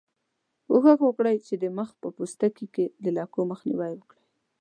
کوښښ وکړئ چې د مخ په پوستکي کې د لکو مخنیوی وکړئ.